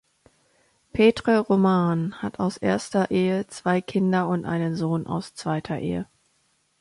Petre Roman hat aus erster Ehe zwei Kinder und einen Sohn aus zweiter Ehe.